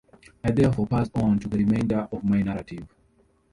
I therefore pass on to the remainder of my narrative.